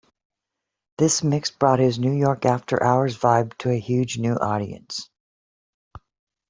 This mix brought his New York afterhours vibe to a huge new audience.